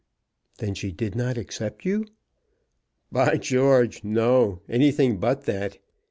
"Then she did not accept you?" "By George! no; anything but that.